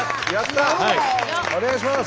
お願いいたします。